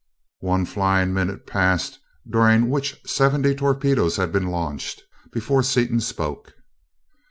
One flying minute passed during which seventy torpedoes had been launched, before Seaton spoke.